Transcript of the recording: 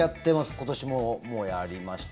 今年も、もうやりました。